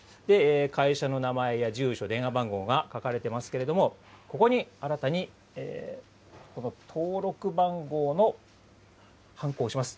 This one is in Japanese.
会社の名前や住所、電話番号が書かれてますけれども、ここに新たに、この登録番号のハンコを押します。